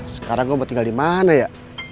sekarang gue mau tinggal dimana ya